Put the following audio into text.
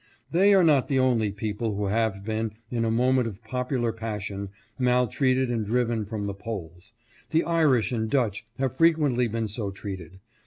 They are not the only people who have been, in a moment of popular passion, maltreated and driven from the polls. The Irish and Dutch have frequently been so treated.